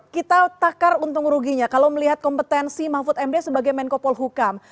kita takar untung ruginya kalau melihat kompetensi mahfud md sebagai menkopol hukam